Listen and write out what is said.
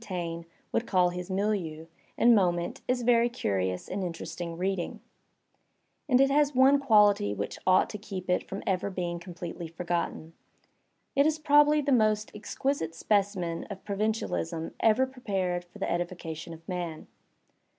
Taine would call his milieu and moment is very Digitized by Google 150 THE SPIRIT OF AMERICAN LITERATURE curious and interesting reading, and it has one quality which ought to keep it from ever being completely forgotten. It is probably the most exquisite specimen of provincialism ever prepared for the edification of man.